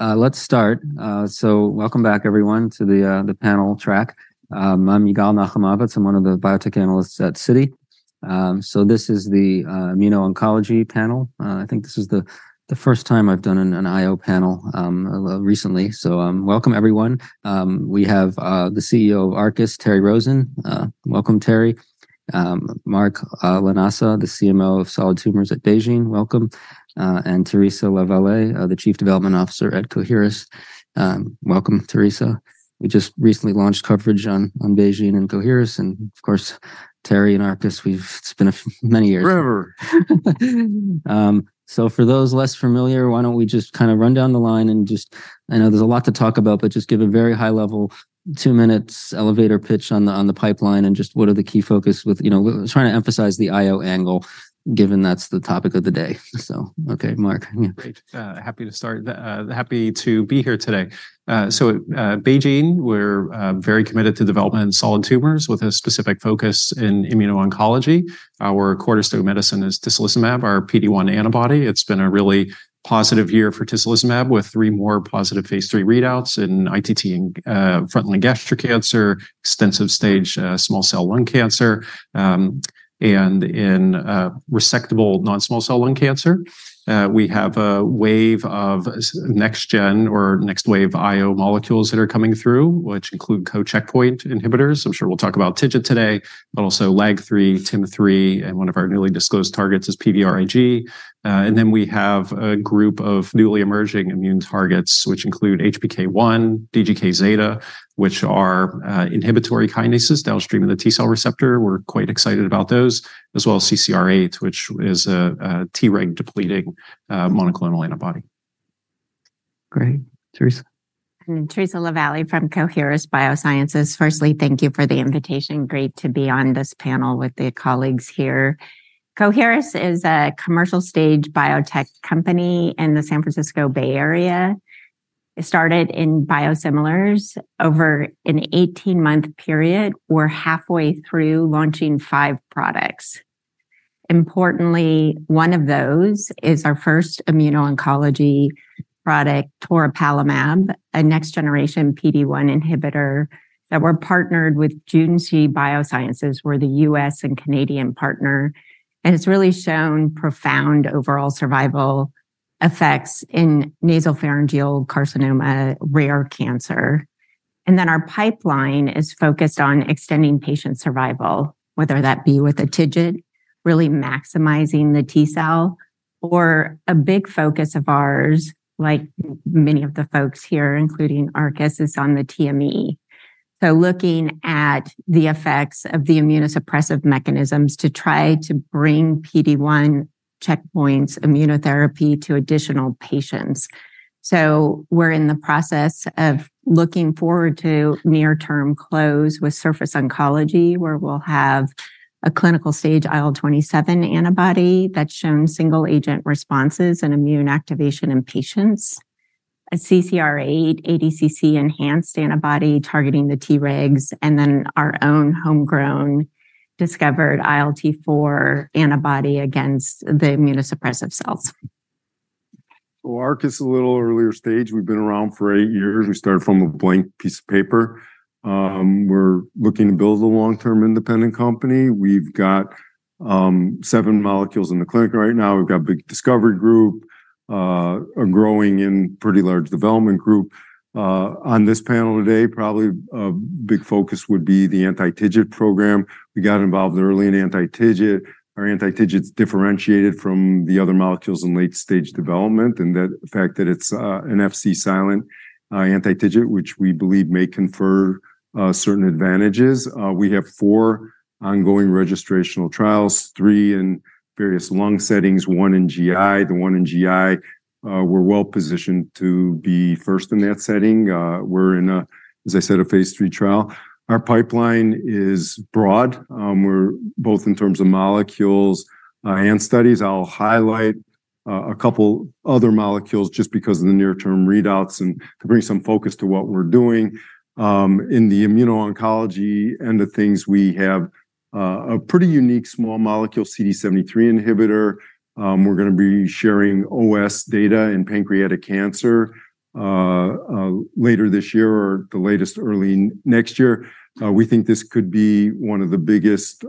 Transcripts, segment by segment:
Let's start. So welcome back, everyone, to the panel track. I'm Yigal Nochomovitz. I'm one of the biotech analysts at Citi. So this is the immuno-oncology panel. I think this is the first time I've done an IO panel recently, so welcome everyone. We have the CEO of Arcus, Terry Rosen. Welcome, Terry. Mark Lanasa, the CMO of Solid Tumors at BeiGene, welcome. And Theresa LaVallee, the Chief Development Officer at Coherus. Welcome, Theresa. We just recently launched coverage on BeiGene and Coherus, and of course, Terry and Arcus, we've... It's been many years. Forever. So, for those less familiar, why don't we just kind of run down the line and just... I know there's a lot to talk about, but just give a very high-level, two-minutes elevator pitch on the, on the pipeline, and just what are the key focus with, you know, trying to emphasize the IO angle, given that's the topic of the day. So, okay, Mark. Great. Happy to start. Happy to be here today. So at BeiGene, we're very committed to development in solid tumors, with a specific focus in immuno-oncology. Our cornerstone medicine is tislelizumab, our PD-1 antibody. It's been a really positive year for tislelizumab, with three more positive Phase III readouts in ITT and frontline gastric cancer, extensive stage small cell lung cancer, and in resectable non-small cell lung cancer. We have a wave of NextGen or Next Wave IO molecules that are coming through, which include co-checkpoint inhibitors. I'm sure we'll talk about TIGIT today, but also LAG-3, TIM-3, and one of our newly disclosed targets is PVRIG. And then we have a group of newly emerging immune targets, which include HPK1, DGKzeta, which are inhibitory kinases downstream of the T cell receptor. We're quite excited about those, as well as CCR8, which is a Treg-depleting monoclonal antibody. Great. Theresa? I'm Theresa LaVallee from Coherus BioSciences. Firstly, thank you for the invitation. Great to be on this panel with the colleagues here. Coherus is a commercial-stage biotech company in the San Francisco Bay Area. It started in biosimilars. Over an 18-month period, we're halfway through launching five products. Importantly, one of those is our first immuno-oncology product, toripalimab, a next-generation PD-1 inhibitor, that we're partnered with Junshi Biosciences. We're the US and Canadian partner, and it's really shown profound overall survival effects in nasopharyngeal carcinoma, rare cancer. Then our pipeline is focused on extending patient survival, whether that be with a TIGIT, really maximizing the T cell, or a big focus of ours, like many of the folks here, including Arcus, is on the TME. So looking at the effects of the immunosuppressive mechanisms to try to bring PD-1 checkpoints immunotherapy to additional patients. We're in the process of looking forward to near-term close with Surface Oncology, where we'll have a clinical stage IL-27 antibody that's shown single-agent responses and immune activation in patients, a CCR8 ADCC-enhanced antibody targeting the Tregs, and then our own homegrown discovered ILT-4 antibody against the immunosuppressive cells. So Arcus is a little earlier stage. We've been around for eight years. We started from a blank piece of paper. We're looking to build a long-term independent company. We've got seven molecules in the clinic right now. We've got a big discovery group, a growing and pretty large development group. On this panel today, probably a big focus would be the anti-TIGIT program. We got involved early in anti-TIGIT. Our anti-TIGIT's differentiated from the other molecules in late-stage development, and the fact that it's an Fc-silent anti-TIGIT, which we believe may confer certain advantages. We have four ongoing registrational trials, three in various lung settings, one in GI. The one in GI, we're well-positioned to be first in that setting. We're in a, as I said, a phase III trial. Our pipeline is broad, we're... Both in terms of molecules and studies. I'll highlight a couple other molecules just because of the near-term readouts and to bring some focus to what we're doing in the immuno-oncology and the things we have. A pretty unique small molecule, CD73 inhibitor. We're gonna be sharing OS data in pancreatic cancer later this year or the latest, early next year. We think this could be one of the biggest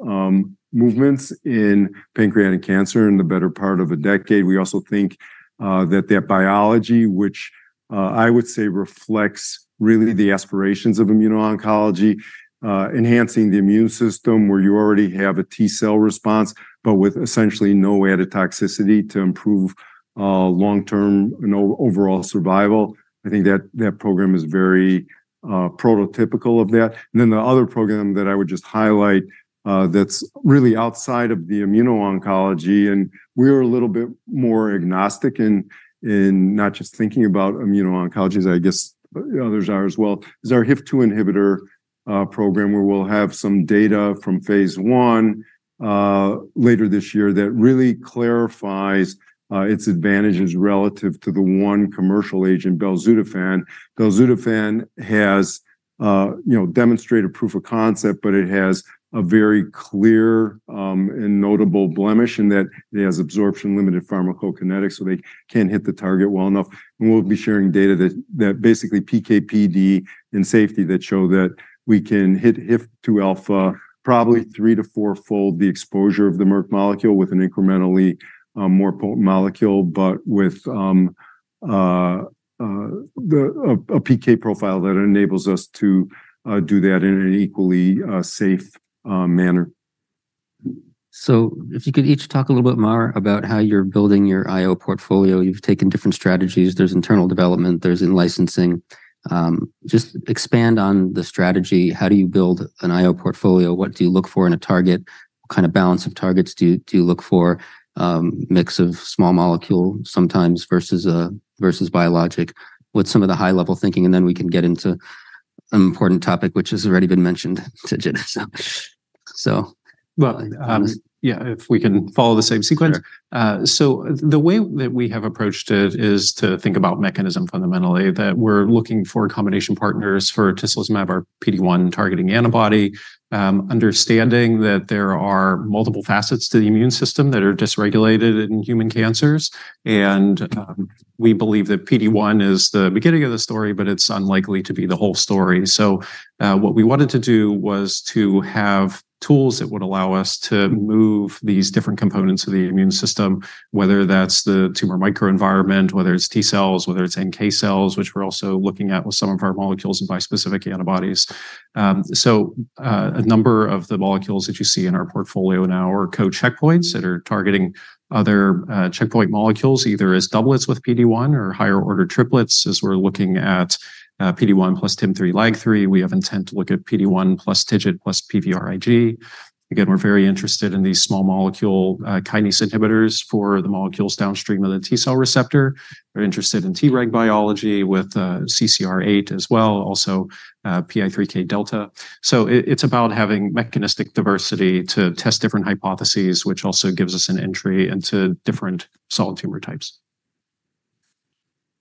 movements in pancreatic cancer in the better part of a decade. We also think that their biology, which I would say reflects really the aspirations of immuno-oncology, enhancing the immune system where you already have a T cell response, but with essentially no added toxicity to improve long-term and overall survival. I think that that program is very prototypical of that. Then the other program that I would just highlight, that's really outside of the immuno-oncology, and we are a little bit more agnostic in, in not just thinking about immuno-oncology, as I guess others are as well, is our HIF-2 inhibitor program, where we'll have some data from phase I later this year, that really clarifies its advantages relative to the one commercial agent, belzutifan. Belzutifan has, you know, demonstrate a proof of concept, but it has a very clear and notable blemish in that it has absorption-limited pharmacokinetics, so they can't hit the target well enough. We'll be sharing data that basically PK, PD, and safety that show that we can hit HIF-2α, probably three to four fold the exposure of the Merck molecule with an incrementally more potent molecule, but with the PK profile that enables us to do that in an equally safe manner. So if you could each talk a little bit more about how you're building your IO portfolio. You've taken different strategies, there's internal development, there's in-licensing. Just expand on the strategy. How do you build an IO portfolio? What do you look for in a target? What kind of balance of targets do you look for, mix of small molecule sometimes versus a versus biologic? What's some of the high-level thinking? And then we can get into an important topic, which has already been mentioned, TIGIT. So. Well, yeah, if we can follow the same sequence. Sure. So the way that we have approached it is to think about mechanism fundamentally, that we're looking for combination partners for tislelizumab, our PD-1 targeting antibody. Understanding that there are multiple facets to the immune system that are dysregulated in human cancers, and we believe that PD-1 is the beginning of the story, but it's unlikely to be the whole story. So what we wanted to do was to have tools that would allow us to move these different components of the immune system, whether that's the tumor microenvironment, whether it's T cells, whether it's NK cells, which we're also looking at with some of our molecules and bispecific antibodies. A number of the molecules that you see in our portfolio now are co-checkpoints that are targeting other checkpoint molecules, either as doublets with PD-1 or higher order triplets. As we're looking at PD-1 plus TIM-3, LAG-3, we have intent to look at PD-1 plus TIGIT, plus PVRIG. Again, we're very interested in these small molecule kinase inhibitors for the molecules downstream of the T cell receptor. We're interested in T reg biology with CCR8 as well, also PI3K delta. So it, it's about having mechanistic diversity to test different hypotheses, which also gives us an entry into different solid tumor types.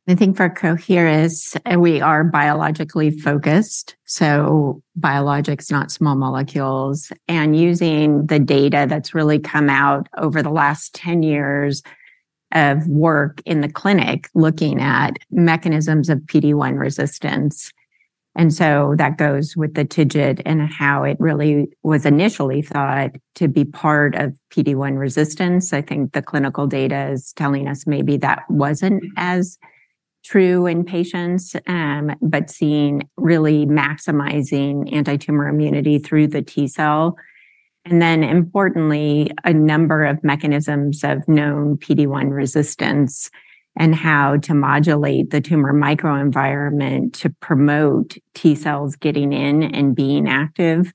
I think for Coherus, we are biologically focused, so biologics, not small molecules, and using the data that's really come out over the last 10 years of work in the clinic, looking at mechanisms of PD-1 resistance. And so that goes with the TIGIT and how it really was initially thought to be part of PD-1 resistance. I think the clinical data is telling us maybe that wasn't as true in patients, but seeing really maximizing antitumor immunity through the T cell, and then importantly, a number of mechanisms of known PD-1 resistance, and how to modulate the tumor microenvironment to promote T cells getting in and being active,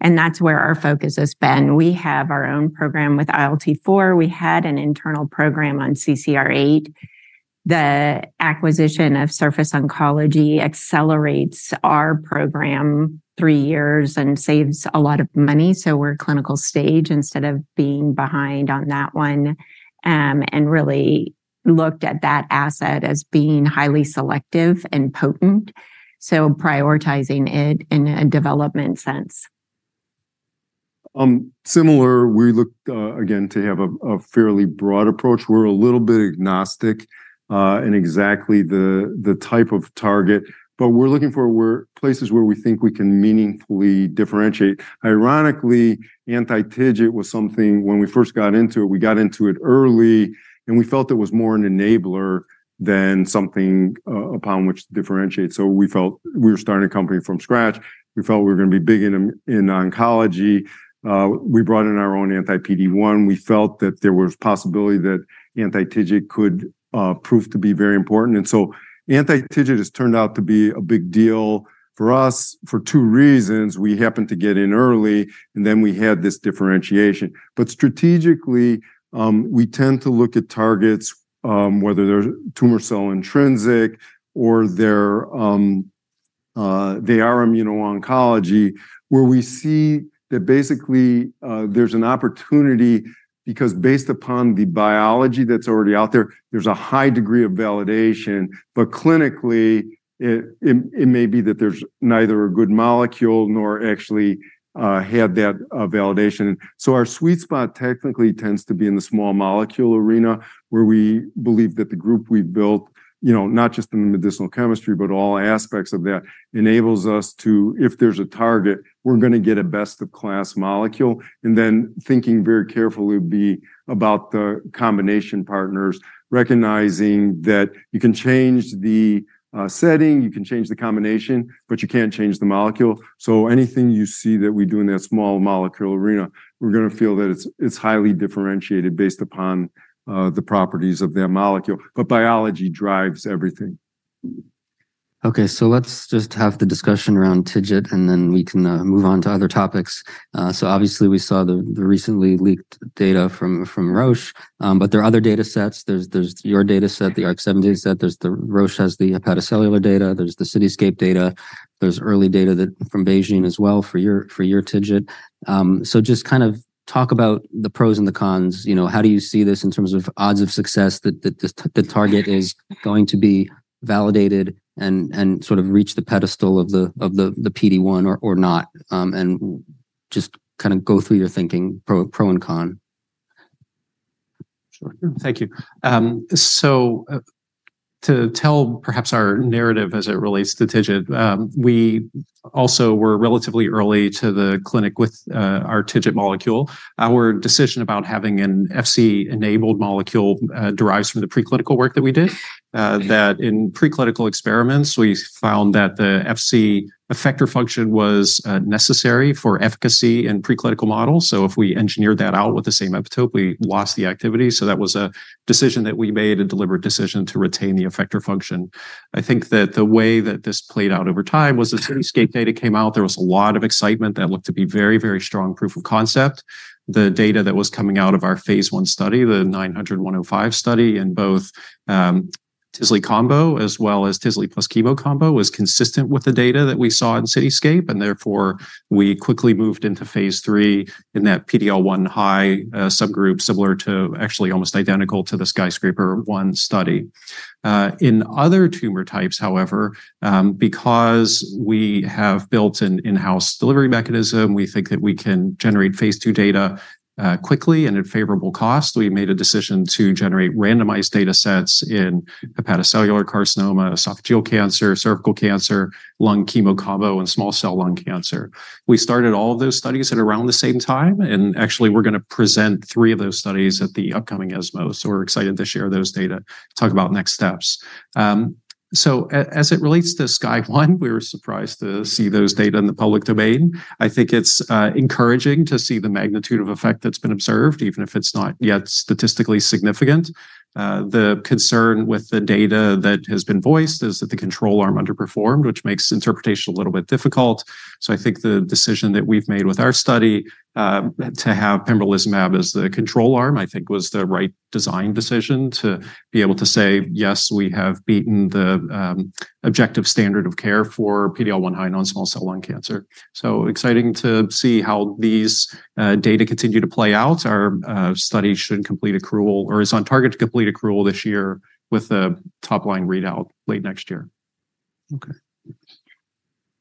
and that's where our focus has been. We have our own program with ILT-4. We had an internal program on CCR8. The acquisition of Surface Oncology accelerates our program three years and saves a lot of money, so we're clinical stage instead of being behind on that one, and really looked at that asset as being highly selective and potent, so prioritizing it in a development sense. Similar, we look again to have a fairly broad approach. We're a little bit agnostic in exactly the type of target, but we're looking for places where we think we can meaningfully differentiate. Ironically, anti-TIGIT was something when we first got into it, we got into it early, and we felt it was more an enabler than something upon which to differentiate. So we felt we were starting a company from scratch. We felt we were going to be big in oncology. We brought in our own anti-PD-1. We felt that there was possibility that anti-TIGIT could prove to be very important. And so anti-TIGIT has turned out to be a big deal for us for two reasons. We happened to get in early, and then we had this differentiation. But strategically, we tend to look at targets, whether they're tumor cell intrinsic or they are immuno-oncology, where we see that basically, there's an opportunity, because based upon the biology that's already out there, there's a high degree of validation. But clinically, it may be that there's neither a good molecule nor actually have that validation. So our sweet spot technically tends to be in the small molecule arena, where we believe that the group we've built, you know, not just in the medicinal chemistry, but all aspects of that, enables us to... if there's a target, we're going to get a best-of-class molecule. And then thinking very carefully would be about the combination partners, recognizing that you can change the setting, you can change the combination, but you can't change the molecule. So anything you see that we do in that small molecule arena, we're going to feel that it's, it's highly differentiated based upon the properties of that molecule, but biology drives everything. Okay, so let's just have the discussion around TIGIT, and then we can move on to other topics. So obviously, we saw the recently leaked data from Roche, but there are other data sets. There's your data set, the ARC-7 data set. There's Roche has the hepatocellular data, there's the CITYSCAPE data, there's early data from Beijing as well for your TIGIT. So just kind of talk about the pros and the cons. You know, how do you see this in terms of odds of success, that the target is going to be validated and sort of reach the pedestal of the PD-1 or not? Just kind of go through your thinking, pro and con. Sure. Thank you. So, to tell perhaps our narrative as it relates to TIGIT, we also were relatively early to the clinic with our TIGIT molecule. Our decision about having an Fc-enabled molecule derives from the preclinical work that we did. That, in preclinical experiments, we found that the Fc effector function was necessary for efficacy in preclinical models. So if we engineered that out with the same epitope, we lost the activity, so that was a decision that we made, a deliberate decision to retain the effector function. I think that the way that this played out over time was the CITYSCAPE data came out. There was a lot of excitement. That looked to be very, very strong proof of concept. The data that was coming out of our phase I study, the 900105 study, in both tisle combo, as well as tisle plus chemo combo, was consistent with the data that we saw in CITYSCAPE, and therefore, we quickly moved into phase III in that PD-L1 high subgroup, similar to actually almost identical to the Skyscraper-01 study. In other tumor types, however, because we have built an in-house delivery mechanism, we think that we can generate phase II data quickly and at favorable cost. We made a decision to generate randomized datasets in hepatocellular carcinoma, esophageal cancer, cervical cancer, lung chemo combo, and small cell lung cancer. We started all of those studies at around the same time, and actually, we're gonna present three of those studies at the upcoming ESMO. So we're excited to share those data, talk about next steps. So as it relates to Skyline, we were surprised to see those data in the public domain. I think it's encouraging to see the magnitude of effect that's been observed, even if it's not yet statistically significant. The concern with the data that has been voiced is that the control arm underperformed, which makes interpretation a little bit difficult. So I think the decision that we've made with our study to have pembrolizumab as the control arm, I think, was the right design decision to be able to say, "Yes, we have beaten the objective standard of care for PD-L1 high non-small cell lung cancer." So exciting to see how these data continue to play out. Our study should complete accrual or is on target to complete accrual this year, with a top-line readout late next year. Okay.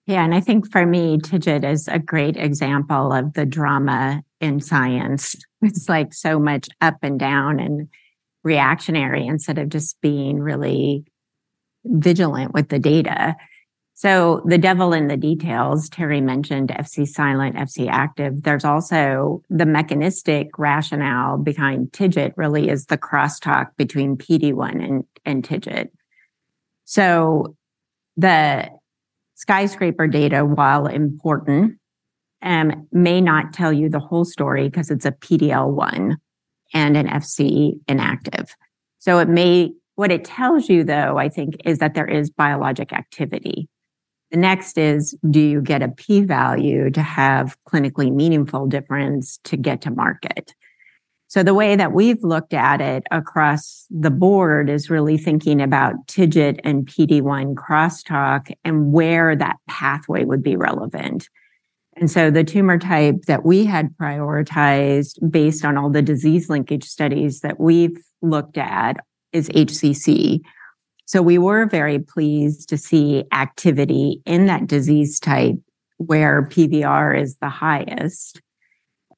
Yeah, and I think for me, TIGIT is a great example of the drama in science. It's, like, so much up and down and reactionary, instead of just being really vigilant with the data. So the devil in the details, Terry mentioned Fc-silent, Fc-active. There's also the mechanistic rationale behind TIGIT, really is the crosstalk between PD-1 and, and TIGIT. So the Skyscraper data, while important, may not tell you the whole story 'cause it's a PD-L1 and an Fc-inactive. So it may... What it tells you, though, I think, is that there is biologic activity. The next is, do you get a P value to have clinically meaningful difference to get to market? So the way that we've looked at it across the board is really thinking about TIGIT and PD-1 crosstalk and where that pathway would be relevant. The tumor type that we had prioritized based on all the disease linkage studies that we've looked at is HCC. We were very pleased to see activity in that disease type, where PVR is the highest,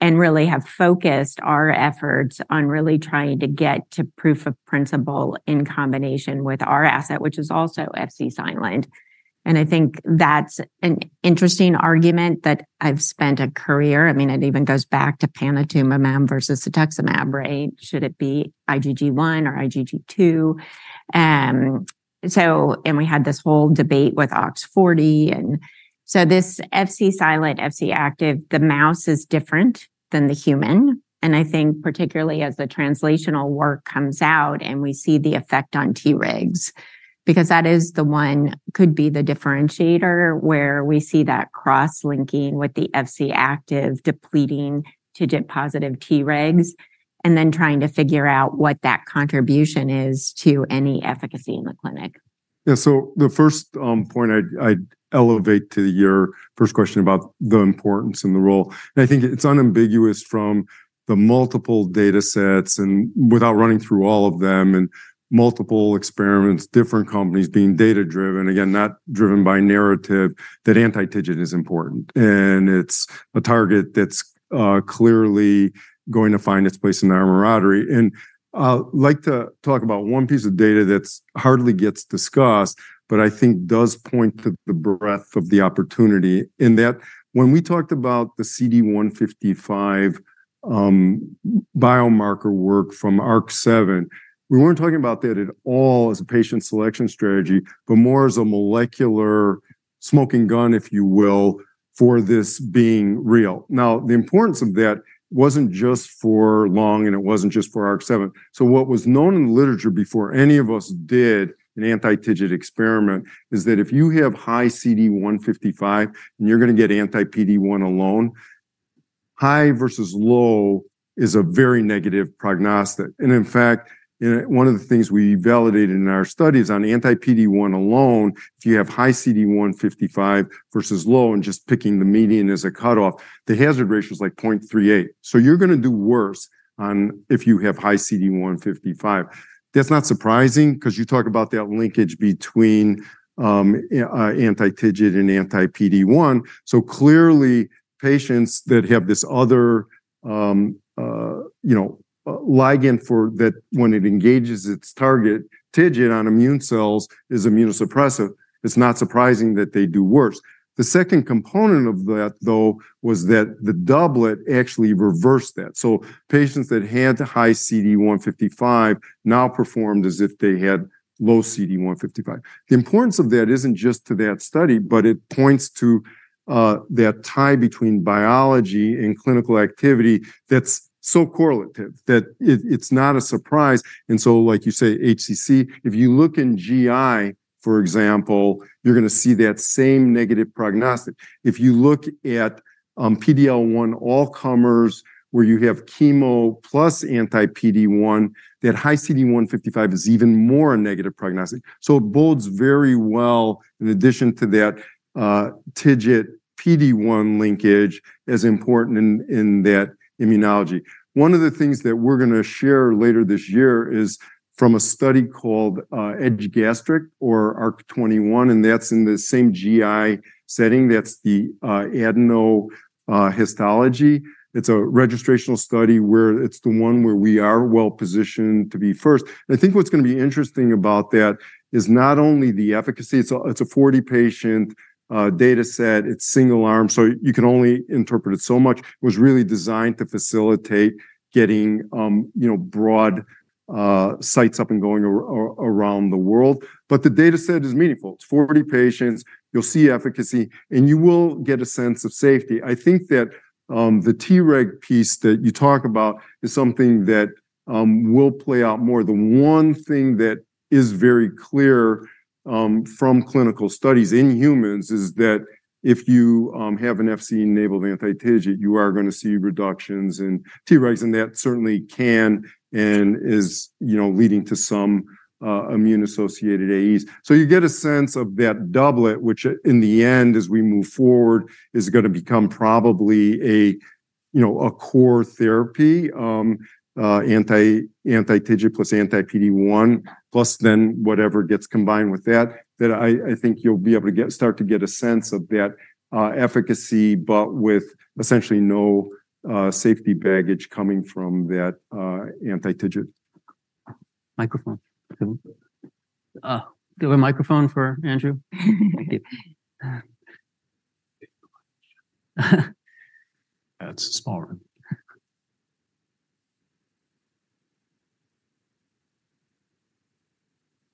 and really have focused our efforts on really trying to get to proof of principle in combination with our asset, which is also Fc-silent. I think that's an interesting argument that I've spent a career... I mean, it even goes back to panitumumab versus cetuximab, right? Should it be IgG1 or IgG2? And we had this whole debate with OX40 and so this Fc-silent, Fc-active, the mouse is different than the human. I think particularly as the translational work comes out and we see the effect on Tregs, because that is the one could be the differentiator, where we see that cross-linking with the Fc active, depleting TIGIT-positive Tregs, and then trying to figure out what that contribution is to any efficacy in the clinic. Yeah, so the first point I'd elevate to your first question about the importance and the role, and I think it's unambiguous from the multiple datasets and without running through all of them, and multiple experiments, different companies being data-driven, again, not driven by narrative, that anti-TIGIT is important. And it's a target that's clearly going to find its place in the armamentarium. And I'd like to talk about one piece of data that's hardly gets discussed, but I think does point to the breadth of the opportunity in that when we talked about the CD155 biomarker work from ARC-7, we weren't talking about that at all as a patient selection strategy, but more as a molecular smoking gun, if you will, for this being real. Now, the importance of that wasn't just for lung, and it wasn't just for ARC-7. So what was known in the literature before any of us did an anti-TIGIT experiment, is that if you have high CD155 and you're gonna get anti-PD-1 alone, high versus low is a very negative prognostic. And in fact, you know, one of the things we validated in our studies on anti-PD-1 alone, if you have high CD155 versus low and just picking the median as a cutoff, the hazard ratio is like 0.38. So you're gonna do worse on if you have high CD155. That's not surprising 'cause you talk about that linkage between anti-TIGIT and anti-PD-1. So clearly, patients that have this other you know ligand for that when it engages its target, TIGIT on immune cells is immunosuppressive, it's not surprising that they do worse. The second component of that, though, was that the doublet actually reversed that. So patients that had high CD155 now performed as if they had low CD155. The importance of that isn't just to that study, but it points to, that tie between biology and clinical activity that's so correlative that it, it's not a surprise. And so, like you say, HCC, if you look in GI, for example, you're gonna see that same negative prognostic. If you look at, PD-L1 all comers, where you have chemo plus anti-PD-1, that high CD155 is even more a negative prognostic. So it bodes very well in addition to that, TIGIT PD-1 linkage as important in, in that immunology. One of the things that we're gonna share later this year is from a study called, Edge-Gastric or ARC-21, and that's in the same GI setting. That's the adenocarcinoma histology. It's a registrational study where it's the one where we are well positioned to be first. I think what's gonna be interesting about that is not only the efficacy, it's a 40-patient data set. It's single arm, so you can only interpret it so much. It was really designed to facilitate getting you know broad sites up and going around the world, but the data set is meaningful. It's 40 patients, you'll see efficacy, and you will get a sense of safety. I think that the Treg piece that you talk about is something that will play out more. The one thing that is very clear from clinical studies in humans is that if you have an Fc-enabled anti-TIGIT, you are gonna see reductions in Tregs, and that certainly can and is, you know, leading to some immune-associated AEs. So you get a sense of that doublet, which in the end, as we move forward, is gonna become probably a, you know, a core therapy, anti-TIGIT plus anti-PD-1, plus then whatever gets combined with that, that I think you'll be able to start to get a sense of that efficacy, but with essentially no safety baggage coming from that anti-TIGIT. Microphone. Do you have a microphone for Andrew? Thank you. That's a small one.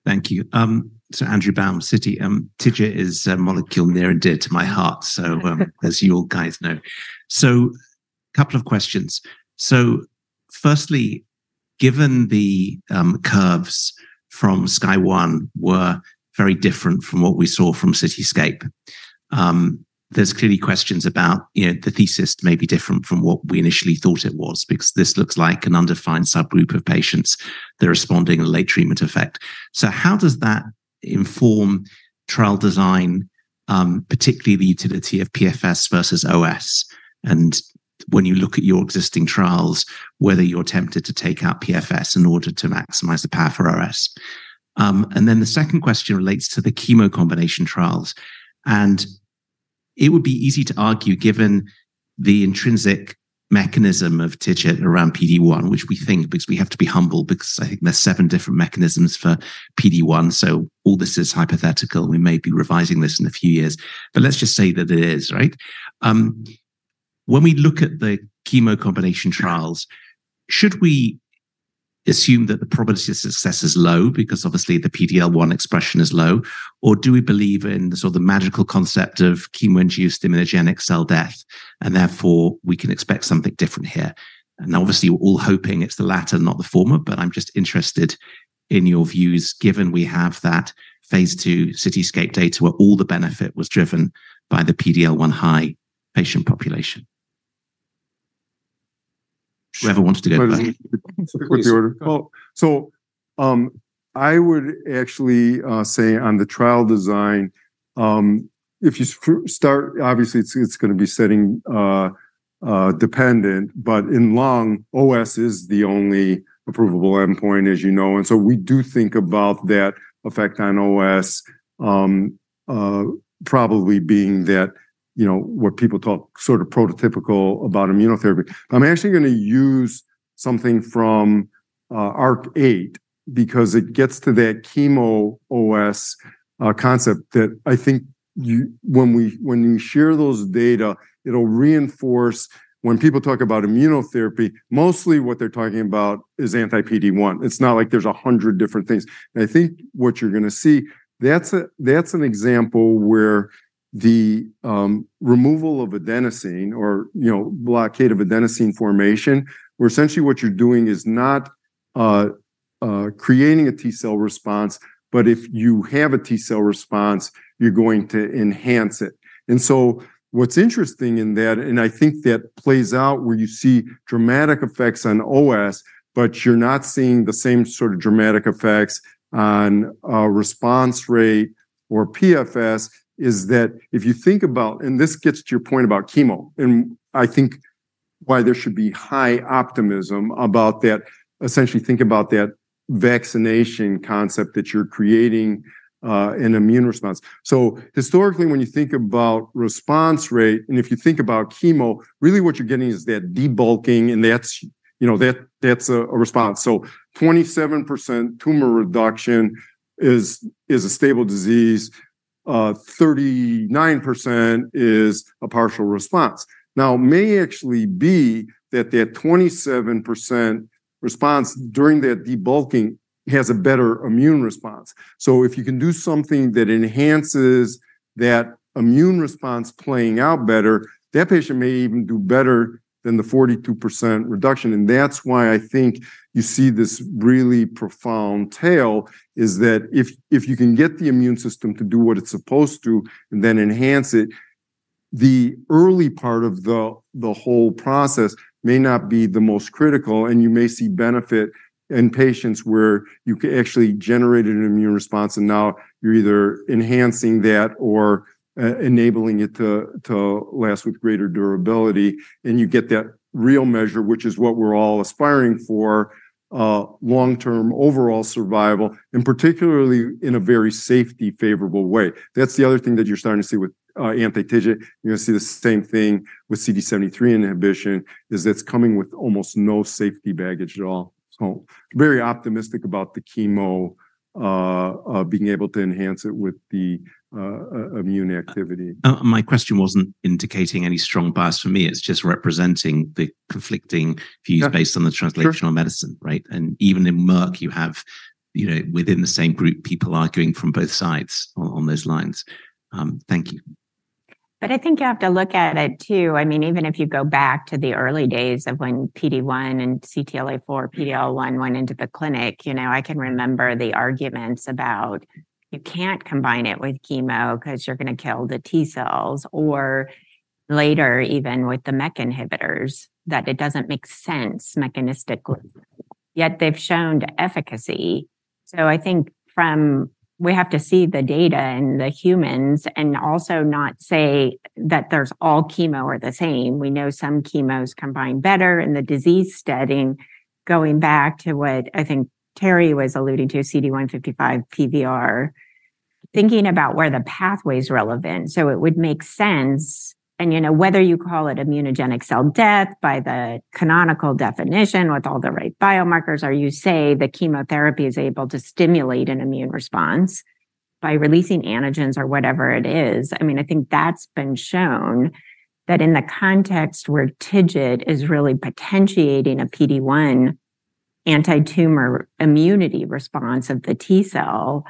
Thank you. So Andrew Baum, Citi. TIGIT is a molecule near and dear to my heart, so, as you all guys know. So couple of questions. So firstly, given the curves from Sky One were very different from what we saw from CITYSCAPE, there's clearly questions about, you know, the thesis may be different from what we initially thought it was, because this looks like an undefined subgroup of patients that are responding to a late treatment effect. So how does that inform trial design, particularly the utility of PFS versus OS? And when you look at your existing trials, whether you're tempted to take out PFS in order to maximize the power for OS. And then the second question relates to the chemo combination trials, and it would be easy to argue, given the intrinsic mechanism of TIGIT around PD-1, which we think, because we have to be humble, because I think there's seven different mechanisms for PD-1, so all this is hypothetical, and we may be revising this in a few years. But let's just say that it is, right? When we look at the chemo combination trials, should we assume that the probability of success is low because obviously the PD-L1 expression is low, or do we believe in the sort of magical concept of immunogenic cell death, and therefore, we can expect something different here? Obviously, we're all hoping it's the latter, not the former, but I'm just interested in your views, given we have that phase II CITYSCAPE data, where all the benefit was driven by the PD-L1 high patient population. Whoever wants to go. Well, so, I would actually say on the trial design, if you start, obviously it's, it's gonna be setting dependent, but in lung, OS is the only approvable endpoint, as you know, and so we do think about that effect on OS, probably being that, you know, what people talk sort of prototypical about immunotherapy. I'm actually gonna use something from ARC-8 because it gets to that chemo OS concept that I think you when we, when you share those data, it'll reinforce when people talk about immunotherapy, mostly what they're talking about is anti-PD-1. It's not like there's 100 different things. I think what you're gonna see, that's an example where the removal of adenosine or, you know, blockade of adenosine formation, where essentially what you're doing is not creating a T cell response, but if you have a T cell response, you're going to enhance it. And so what's interesting in that, and I think that plays out where you see dramatic effects on OS, but you're not seeing the same sort of dramatic effects on response rate or PFS, is that if you think about and this gets to your point about chemo, and I think why there should be high optimism about that, essentially think about that vaccination concept that you're creating, an immune response. So historically, when you think about response rate, and if you think about chemo, really what you're getting is that debulking, and that's, you know, that, that's a response. So 27% tumor reduction is a stable disease, 39% is a partial response. Now, it may actually be that the 27% response during that debulking has a better immune response. So if you can do something that enhances that immune response playing out better, that patient may even do better than the 42% reduction. That's why I think you see this really profound tale, is that if you can get the immune system to do what it's supposed to and then enhance it, the early part of the whole process may not be the most critical, and you may see benefit in patients where you can actually generate an immune response, and now you're either enhancing that or enabling it to last with greater durability. And you get that real measure, which is what we're all aspiring for, long-term overall survival, and particularly in a very safety favorable way. That's the other thing that you're starting to see with anti-TIGIT. You're gonna see the same thing with CD73 inhibition, is it's coming with almost no safety baggage at all. So very optimistic about the chemo being able to enhance it with the immune activity. My question wasn't indicating any strong bias for me. It's just representing the conflicting views- Yeah... based on the translational medicine, right? And even in Merck, you know, within the same group, people arguing from both sides on those lines. Thank you. But I think you have to look at it, too. I mean, even if you go back to the early days of when PD-1 and CTLA-4, PD-L1 went into the clinic, you know, I can remember the arguments about you can't combine it with chemo 'cause you're gonna kill the T cells, or later, even with the MEK inhibitors, that it doesn't make sense mechanistically, yet they've shown efficacy. So I think from... we have to see the data in the humans and also not say that there's all chemo are the same. We know some chemos combine better in the disease setting. Going back to what I think Terry was alluding to, CD155 PVR, thinking about where the pathway is relevant, so it would make sense. You know, whether you call it immunogenic cell death by the canonical definition, with all the right biomarkers, or you say the chemotherapy is able to stimulate an immune response by releasing antigens or whatever it is. I mean, I think that's been shown that in the context where TIGIT is really potentiating a PD-1 anti-tumor immunity response of the T cell,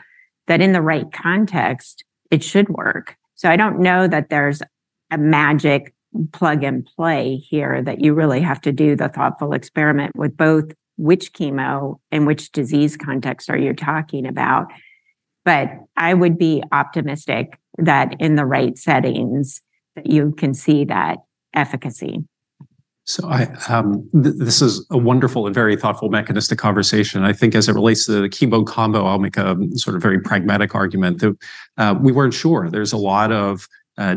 that in the right context, it should work. So I don't know that there's a magic plug-and-play here, that you really have to do the thoughtful experiment with both which chemo and which disease context are you talking about. But I would be optimistic that in the right settings, that you can see that efficacy. So I, this is a wonderful and very thoughtful mechanistic conversation. I think as it relates to the chemo combo, I'll make a sort of very pragmatic argument that, we weren't sure. There's a lot of,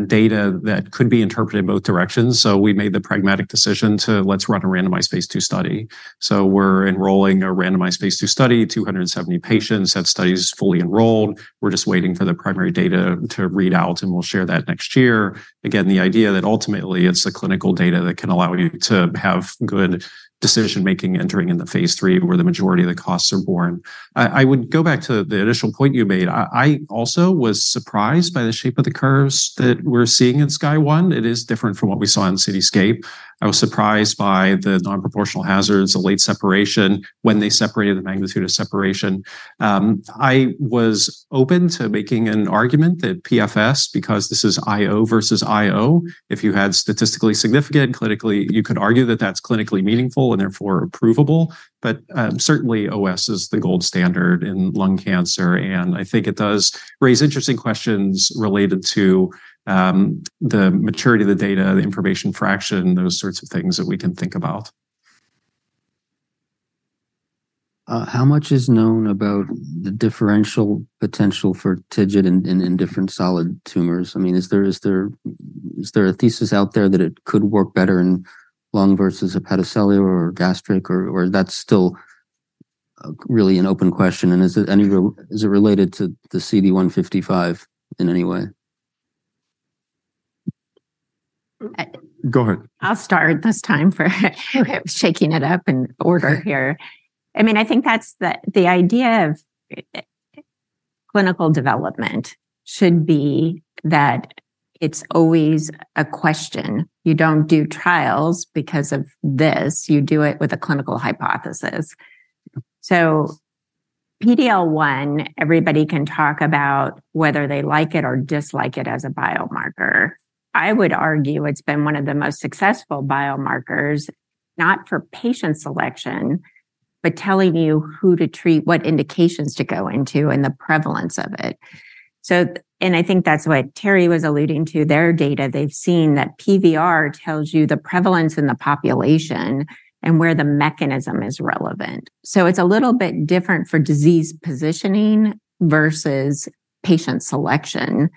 data that could be interpreted in both directions, so we made the pragmatic decision to, "Let's run a randomized phase II study." So we're enrolling a randomized phase II study, 270 patients. That study is fully enrolled. We're just waiting for the primary data to read out, and we'll share that next year. Again, the idea that ultimately it's the clinical data that can allow you to have good decision-making entering in the phase III, where the majority of the costs are born. I, I would go back to the initial point you made. I also was surprised by the shape of the curves that we're seeing in Sky One. It is different from what we saw in CITYSCAPE. I was surprised by the non-proportional hazards, the late separation, when they separated the magnitude of separation. I was open to making an argument that PFS, because this is IO versus IO, if you had statistically significant, clinically, you could argue that that's clinically meaningful and therefore approvable. But, certainly OS is the gold standard in lung cancer, and I think it does raise interesting questions related to, the maturity of the data, the information fraction, those sorts of things that we can think about. How much is known about the differential potential for TIGIT in different solid tumors? I mean, is there a thesis out there that it could work better in lung versus hepatocellular or gastric, or that's still really an open question? And is it related to the CD155 in any way? Go ahead. I'll start this time by shaking it up in order here. I mean, I think that's the idea of clinical development should be that it's always a question. You don't do trials because of this; you do it with a clinical hypothesis. So PD-L1, everybody can talk about whether they like it or dislike it as a biomarker. I would argue it's been one of the most successful biomarkers, not for patient selection, but telling you who to treat, what indications to go into, and the prevalence of it. So and I think that's what Terry was alluding to. Their data, they've seen that PVR tells you the prevalence in the population and where the mechanism is relevant. So it's a little bit different for disease positioning versus patient selection.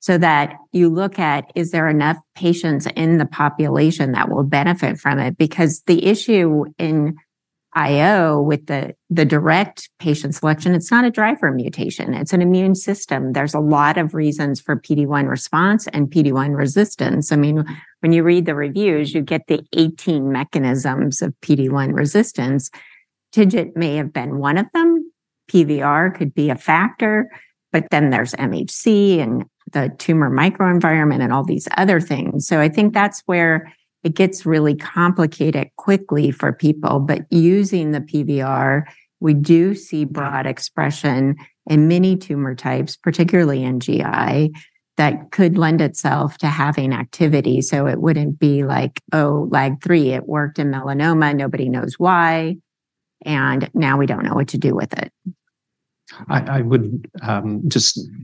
So that you look at, is there enough patients in the population that will benefit from it? Because the issue in IO with the direct patient selection, it's not a driver mutation, it's an immune system. There's a lot of reasons for PD-1 response and PD-1 resistance. I mean, when you read the reviews, you get the 18 mechanisms of PD-1 resistance. TIGIT may have been one of them, PVR could be a factor, but then there's MHC and the tumor microenvironment and all these other things. So I think that's where it gets really complicated quickly for people. But using the PVR, we do see broad expression in many tumor types, particularly in GI, that could lend itself to having activity. So it wouldn't be like, oh, LAG-3, it worked in melanoma, nobody knows why, and now we don't know what to do with it. I would just fully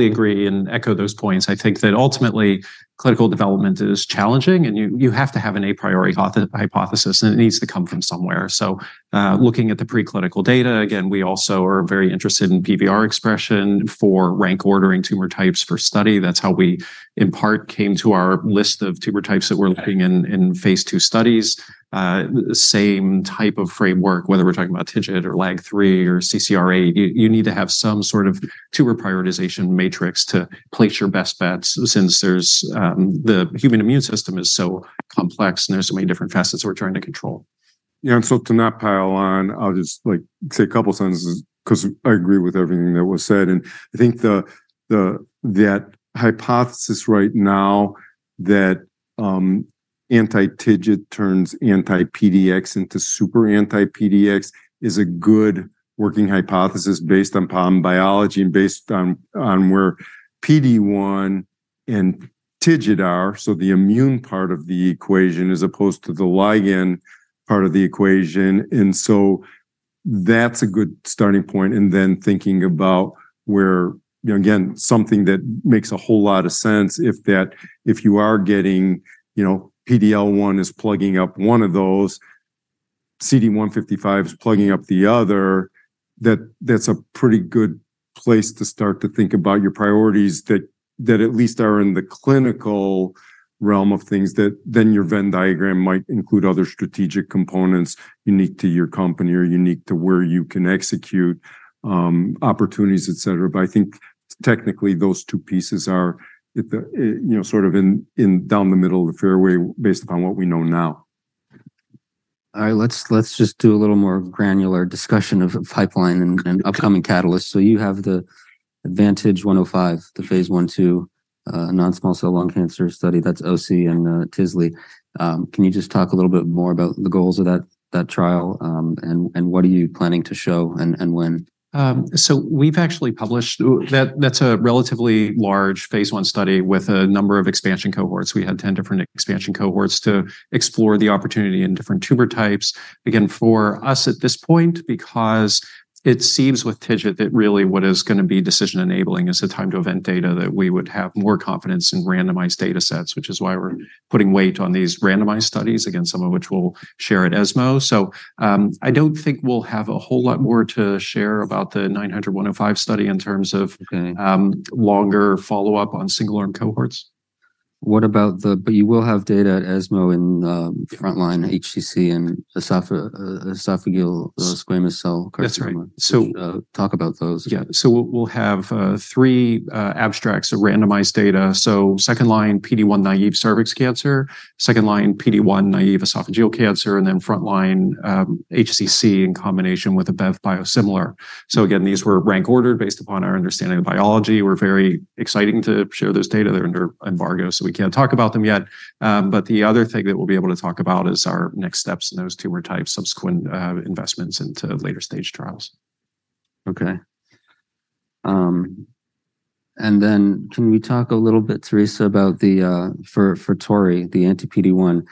agree and echo those points. I think that ultimately, clinical development is challenging, and you have to have an a priori hypothesis, and it needs to come from somewhere. So, looking at the preclinical data, again, we also are very interested in PVR expression for rank ordering tumor types for study. That's how we, in part, came to our list of tumor types that we're looking in phase II studies. The same type of framework, whether we're talking about TIGIT or LAG-3 or CCR8, you need to have some sort of tumor prioritization matrix to place your best bets since there's the human immune system is so complex, and there's so many different facets we're trying to control. Yeah, and so to not pile on, I'll just, like, say a couple sentences because I agree with everything that was said. I think that hypothesis right now that anti-TIGIT turns anti-PD-1 into super anti-PD-1 is a good working hypothesis based upon biology and based on where PD-1 and TIGIT are, so the immune part of the equation, as opposed to the ligand part of the equation. And so that's a good starting point, and then thinking about where, you know, again, something that makes a whole lot of sense, if that, if you are getting, you know, PD-L1 is plugging up one of those, CD155 is plugging up the other, that that's a pretty good place to start to think about your priorities, that, that at least are in the clinical realm of things, that then your Venn diagram might include other strategic components unique to your company or unique to where you can execute, opportunities, et cetera. But I think technically, those two pieces are at the, you know, sort of in, down the middle of the fairway based upon what we know now. All right, let's just do a little more granular discussion of pipeline and upcoming catalysts. So you have the AdvanTIG-105, the phase 1/2 non-small cell lung cancer study. That's Oci and Tisli. Can you just talk a little bit more about the goals of that trial? And what are you planning to show and when? So we've actually published... That, that's a relatively large phase I study with a number of expansion cohorts. We had 10 different expansion cohorts to explore the opportunity in different tumor types. Again, for us at this point, because it seems with TIGIT that really what is gonna be decision-enabling is the time-to-event data, that we would have more confidence in randomized data sets, which is why we're putting weight on these randomized studies, again, some of which we'll share at ESMO. So, I don't think we'll have a whole lot more to share about the Study 900105 in terms of- Okay... longer follow-up on single-arm cohorts. What about but you will have data at ESMO in the frontline, HCC and esophageal squamous cell carcinoma? That's right. So- Talk about those. Yeah. So we'll, we'll have three abstracts of randomized data. So second-line PD-1 naive cervix cancer, second-line PD-1 naive esophageal cancer, and then frontline HCC in combination with a bev biosimilar. So again, these were rank ordered based upon our understanding of biology. We're very exciting to share those data. They're under embargo, so we can't talk about them yet. But the other thing that we'll be able to talk about is our next steps in those tumor types, subsequent investments into later-stage trials. Okay. Then can we talk a little bit, Theresa, about the for TORI, the anti-PD-1?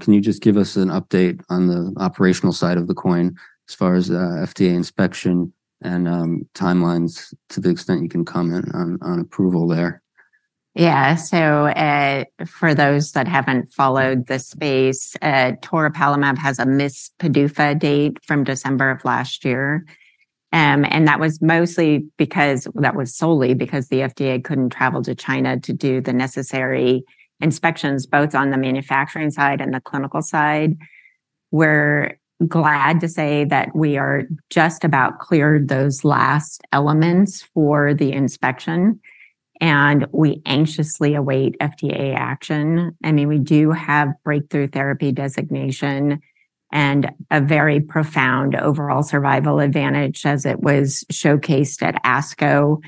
Can you just give us an update on the operational side of the coin as far as FDA inspection and timelines, to the extent you can comment on approval there? Yeah. So, for those that haven't followed the space, Toripalimab has a missed PDUFA date from December of last year. And that was mostly because... that was solely because the FDA couldn't travel to China to do the necessary inspections, both on the manufacturing side and the clinical side. We're glad to say that we are just about cleared those last elements for the inspection, and we anxiously await FDA action. I mean, we do have breakthrough therapy designation and a very profound overall survival advantage as it was showcased at ASCO,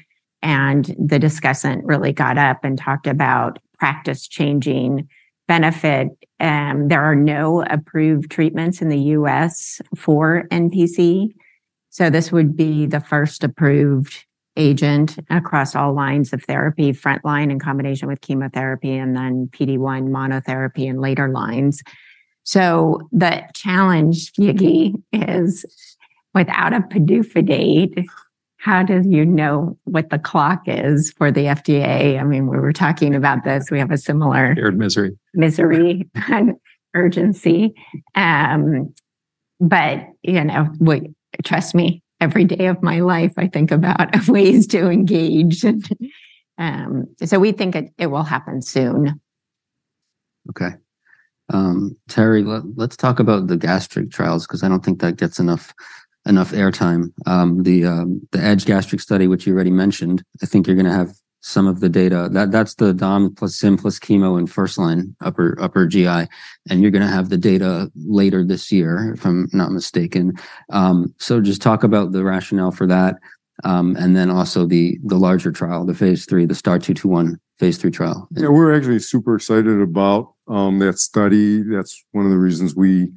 and the discussant really got up and talked about practice-changing benefit. There are no approved treatments in the US for NPC, so this would be the first approved agent across all lines of therapy: frontline in combination with chemotherapy, and then PD-1 monotherapy in later lines. So the challenge, Yigal, is, without a PDUFA date, how do you know what the clock is for the FDA? I mean, we were talking about this. We have a similar- Shared misery ...misery, urgency. But you know what? Trust me, every day of my life, I think about of ways to engage. So we think it, it will happen soon.... Okay. Terry, let's talk about the gastric trials, 'cause I don't think that gets enough airtime. The Edge-Gastric study, which you already mentioned, I think you're gonna have some of the data. That's the dom plus zim plus chemo in first line, upper GI, and you're gonna have the data later this year, if I'm not mistaken. So just talk about the rationale for that, and then also the larger trial, the phase III, the STAR-221 phase III trial. Yeah, we're actually super excited about that study. That's one of the reasons we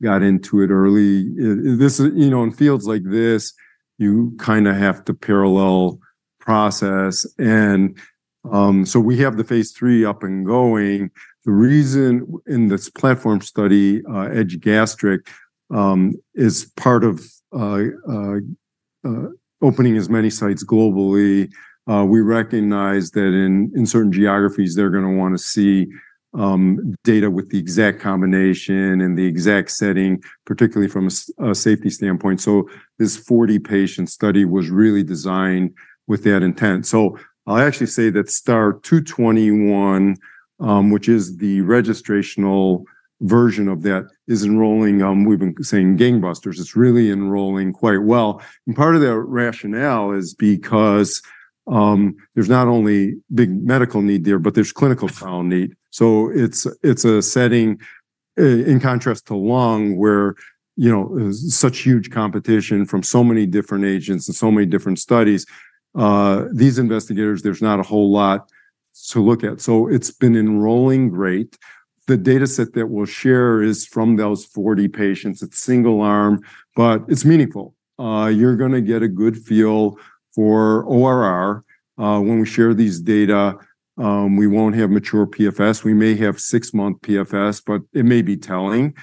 got into it early. This, you know, in fields like this, you kinda have to parallel process. So we have the phase III up and going. The reason in this platform study, Edge-Gastric, is part of opening as many sites globally. We recognize that in certain geographies, they're gonna wanna see data with the exact combination and the exact setting, particularly from a safety standpoint. So this 40-patient study was really designed with that intent. So I'll actually say that STAR-221, which is the registrational version of that, is enrolling. We've been saying gangbusters. It's really enrolling quite well. And part of the rationale is because there's not only big medical need there, but there's clinical trial need. So it's a setting in contrast to lung, where, you know, there's such huge competition from so many different agents and so many different studies. These investigators, there's not a whole lot to look at, so it's been enrolling great. The dataset that we'll share is from those 40 patients. It's single arm, but it's meaningful. You're gonna get a good feel for ORR. When we share these data, we won't have mature PFS. We may have six-month PFS, but it may be telling.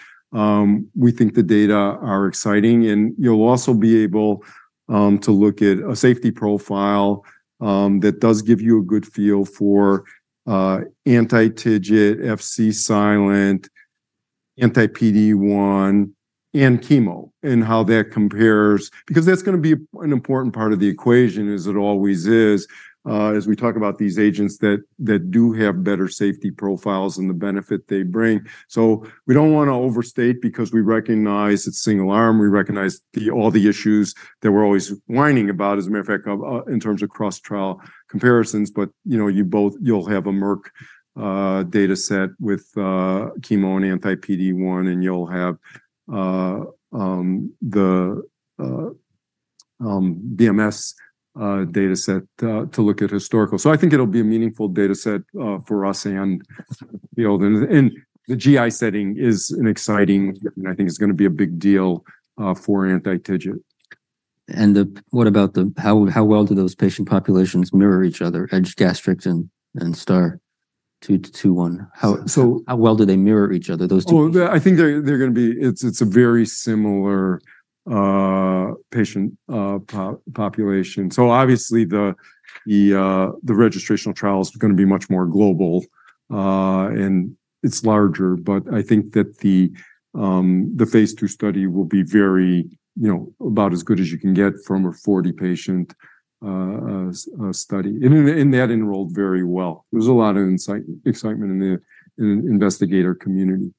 We think the data are exciting, and you'll also be able to look at a safety profile that does give you a good feel for anti-TIGIT, Fc-silent, anti-PD-1, and chemo, and how that compares... Because that's gonna be an important part of the equation, as it always is, as we talk about these agents that, that do have better safety profiles and the benefit they bring. So we don't wanna overstate because we recognize it's single arm. We recognize the all the issues that we're always whining about, as a matter of fact, in terms of cross-trial comparisons. But, you know, you'll have a Merck dataset with chemo and anti-PD-1, and you'll have the BMS dataset to look at historical. So I think it'll be a meaningful dataset for us and the field. And the GI setting is an exciting, and I think it's gonna be a big deal for anti-TIGIT. What about how well those patient populations mirror each other, Edge-Gastric and STAR-221? So- How well do they mirror each other, those two? Oh, I think they're gonna be... It's a very similar patient population. So obviously, the registrational trial is gonna be much more global, and it's larger. But I think that the phase II study will be very, you know, about as good as you can get from a 40-patient study. And that enrolled very well. There was a lot of excitement in the investigator community.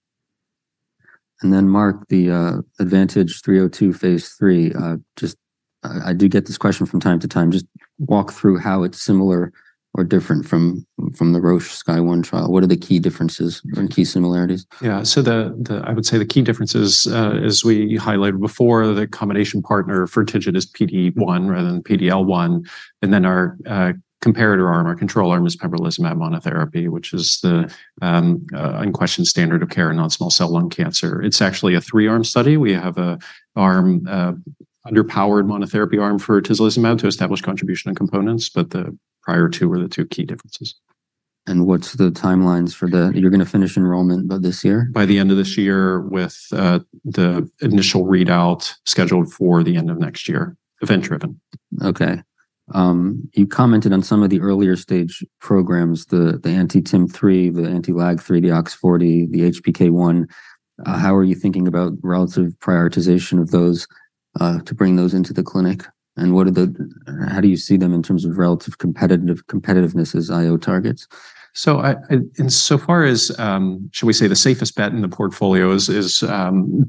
And then, Mark, the AdvanTIG-302 phase III, just, I do get this question from time to time. Just walk through how it's similar or different from the Roche Sky One trial. What are the key differences and key similarities? Yeah. So I would say the key differences, as we highlighted before, the combination partner for TIGIT is PD-1 rather than PD-L1. And then our comparator arm, our control arm, is pembrolizumab monotherapy, which is the unquestioned standard of care in non-small cell lung cancer. It's actually a three-arm study. We have an arm, underpowered monotherapy arm for tislelizumab to establish contribution and components, but the prior two were the two key differences. What's the timelines for the... You're gonna finish enrollment by this year? By the end of this year, with the initial readout scheduled for the end of next year. Event driven. Okay. You commented on some of the earlier stage programs, the anti-TIM-3, the anti-LAG-3, the OX40, the HPK1. How are you thinking about relative prioritization of those to bring those into the clinic? And how do you see them in terms of relative competitive, competitiveness as IO targets? So, as far as, shall we say, the safest bet in the portfolio is,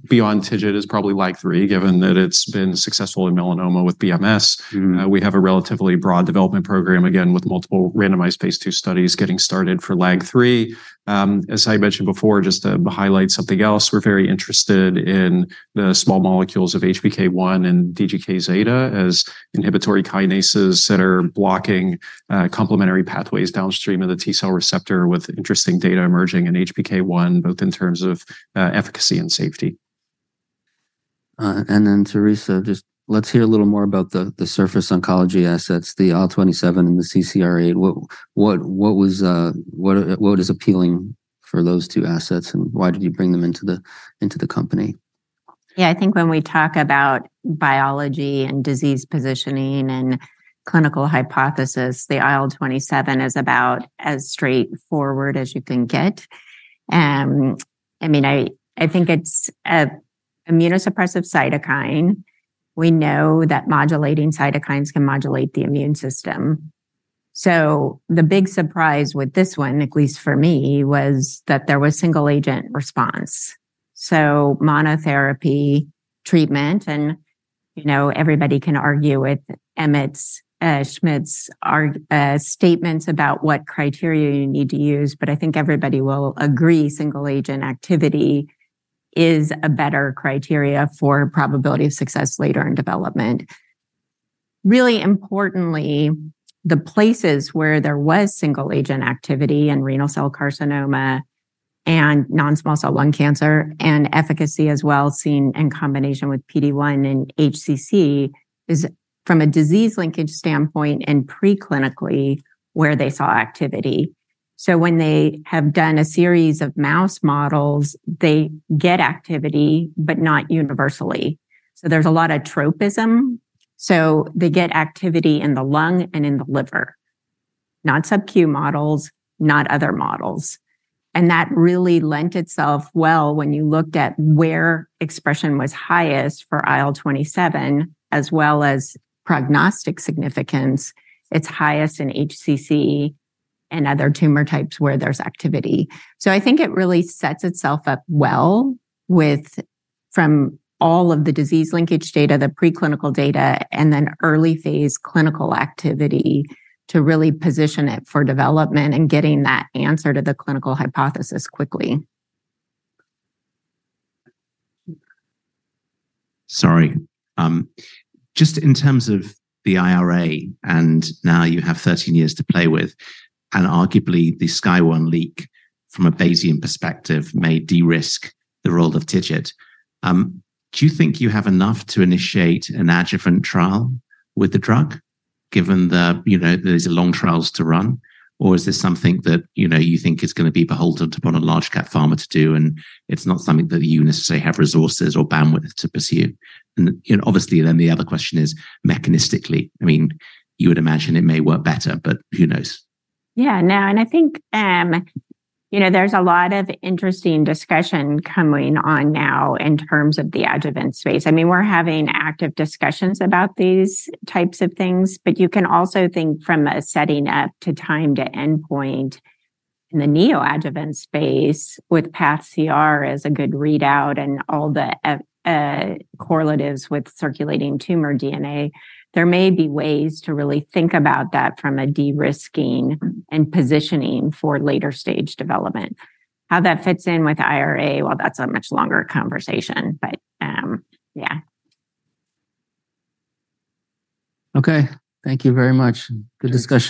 beyond TIGIT, probably LAG-3, given that it's been successful in melanoma with BMS. Mm-hmm. We have a relatively broad development program, again, with multiple randomized phase II studies getting started for LAG-3. As I mentioned before, just to highlight something else, we're very interested in the small molecules of HPK1 and DGKζ as inhibitory kinases that are blocking complementary pathways downstream of the T cell receptor, with interesting data emerging in HPK1, both in terms of efficacy and safety. And then, Theresa, just let's hear a little more about the Surface Oncology assets, the IL-27 and the CCR8. What is appealing for those two assets, and why did you bring them into the company? Yeah, I think when we talk about biology and disease positioning and clinical hypothesis, the IL-27 is about as straightforward as you can get. I mean, I think it's an immunosuppressive cytokine. We know that modulating cytokines can modulate the immune system. So the big surprise with this one, at least for me, was that there was single agent response. So monotherapy treatment, and, you know, everybody can argue with Emmett Schmidt's arguments about what criteria you need to use, but I think everybody will agree single agent activity is a better criteria for probability of success later in development. Really importantly, the places where there was single agent activity in renal cell carcinoma and non-small cell lung cancer, and efficacy as well seen in combination with PD-1 and HCC, is from a disease linkage standpoint and preclinically where they saw activity. So when they have done a series of mouse models, they get activity, but not universally. So there's a lot of tropism. So they get activity in the lung and in the liver, not sub-Q models, not other models. And that really lent itself well when you looked at where expression was highest for IL-27, as well as prognostic significance. It's highest in HCC and other tumor types where there's activity. So I think it really sets itself up well with, from all of the disease linkage data, the preclinical data, and then early phase clinical activity, to really position it for development and getting that answer to the clinical hypothesis quickly. Sorry. Just in terms of the IRA, and now you have 13 years to play with, and arguably the Sky One leak from a Bayesian perspective may de-risk the role of TIGIT. Do you think you have enough to initiate an adjuvant trial with the drug, given that, you know, these are long trials to run? Or is this something that, you know, you think is gonna be beholden upon a large cap pharma to do, and it's not something that you necessarily have resources or bandwidth to pursue? You know, obviously, then the other question is mechanistically. I mean, you would imagine it may work better, but who knows? Yeah. No, and I think, you know, there's a lot of interesting discussion coming on now in terms of the adjuvant space. I mean, we're having active discussions about these types of things, but you can also think from a setting up to time to endpoint in the neoadjuvant space with path CR as a good readout and all the correlatives with circulating tumor DNA. There may be ways to really think about that from a de-risking and positioning for later stage development. How that fits in with IRA, well, that's a much longer conversation, but, yeah. Okay. Thank you very much. Good discussion.